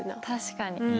確かに。